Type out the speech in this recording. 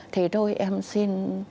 thì thôi em xin